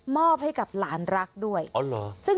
มอบให้กับหลานรักด้วยอ๋อเหรอ